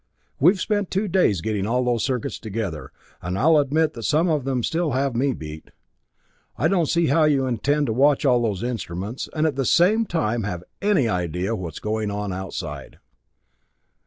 We've spent two days getting all those circuits together, and I'll admit that some of them still have me beat. I don't see how you intend to watch all those instruments, and at the same time have any idea what's going on outside."